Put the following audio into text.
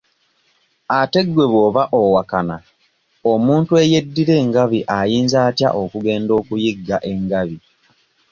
Ate gwe bw'oba owakana omuntu ey'eddira engabi ayinza atya okugenda okuyigga engabi?